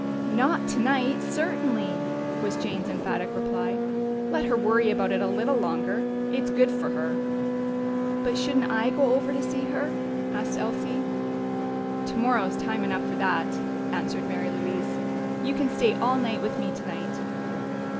"Not tonight, certainly!" was Jane's emphatic reply. "Let her worry about it a little longer it's good for her." "But shouldn't I go over to see her?" asked Elsie. "Tomorrow's time enough for that," answered Mary Louise. "You can stay all night with me tonight."